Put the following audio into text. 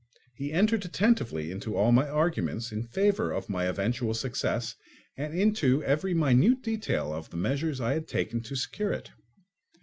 He entered attentively into all my arguments in favour of my eventual success and into every minute detail of the measures I had taken to secure it.